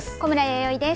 弥生です。